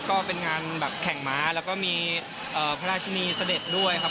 ก็เป็นงานแบบแข่งม้าแล้วก็มีพระราชินีเสด็จด้วยครับ